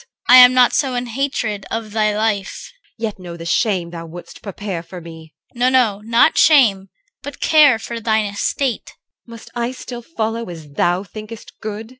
CHR. I am not so in hatred of thy life. EL. Yet know the shame thou wouldst prepare for me. CHR. No, no! Not shame, but care for thine estate. EL. Must I still follow as thou thinkest good?